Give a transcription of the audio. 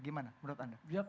gimana menurut anda